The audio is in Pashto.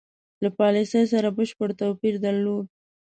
له پالیسی سره بشپړ توپیر درلود.